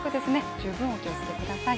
十分お気をつけください。